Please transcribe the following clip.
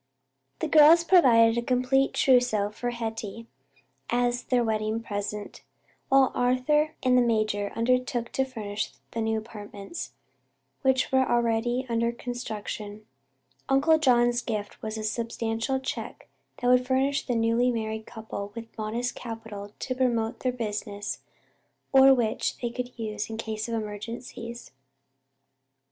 The girls provided a complete trousseau for Hetty, as their wedding present, while Arthur and the major undertook to furnish the new apartments, which were already under construction. Uncle John's gift was a substantial check that would furnish the newly married couple with modest capital to promote their business or which they could use in case of emergencies.